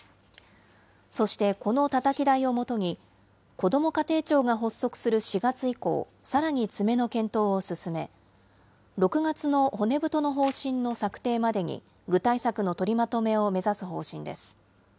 そして、このたたき台をもとに、こども家庭庁が発足する４月以降、さらに詰めの検討を進め、６月の骨太の方針の策定までに、具体策の取りまとめを目指す方針です。